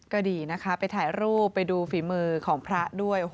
ก็ดีนะคะไปถ่ายรูปไปดูฝีมือของพระด้วย